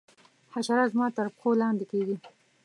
حشرات زما تر پښو لاندي کیږي.